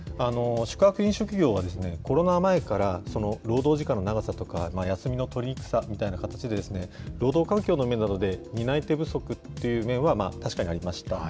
宿泊・飲食業はコロナ前から労働時間の長さとか、休みの取りにくさといった労働環境の面などで担い手不足っていう面は確かにありました。